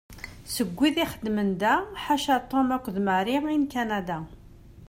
Seg wid ixeddmen da, ḥaca Tom akked Mary i n Kanada.